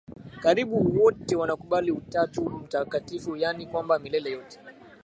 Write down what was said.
Karibu wote wanakubali Utatu Mtakatifu yaani kwamba milele yote